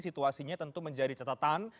situasinya tentu menjadi catatan